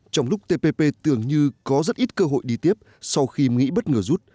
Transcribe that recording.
trong lúc tpp tưởng như có rất ít cơ hội đi tiếp sau khi mỹ bất ngờ rút